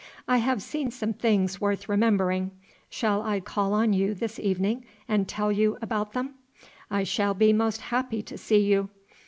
"I have seen some things worth remembering. Shall I call on you this evening and tell you about them?" "I shall be most happy to see you."